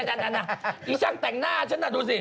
นั่นน่ะอีช่างแต่งหน้าฉันน่ะดูสิ